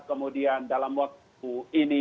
kemudian dalam waktu ini